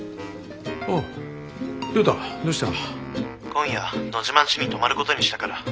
今夜野嶋んちに泊まることにしたから。